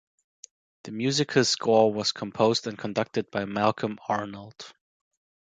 The musical score was composed and conducted by Malcolm Arnold.